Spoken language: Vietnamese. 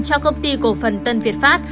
cho công ty cổ phần tân việt pháp